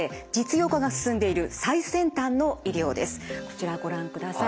こちらをご覧ください。